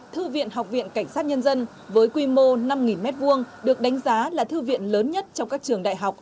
thư viện học viện cảnh sát nhân dân với quy mô năm m hai được đánh giá là thư viện lớn nhất trong các trường đại học